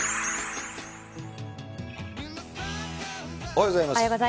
おはようございます。